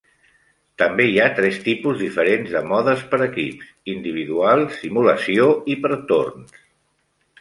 També hi ha tres tipus diferents de modes per equips: individual, simulació i per torns.